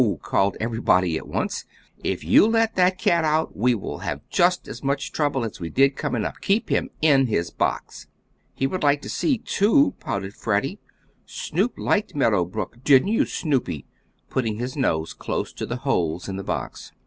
called everybody at once. "If you let that cat out we will have just as much trouble as we did coming up. Keep him in his box." "He would like to see too," pouted Freddie. "Snoop liked Meadow Brook. Didn't you, Snoopy!" putting his nose close to the holes in the box.